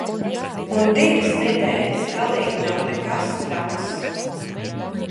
Un divas nedēļas galīgi nav nekas traks.